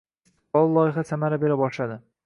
Istiqbolli loyiha samara bera boshladi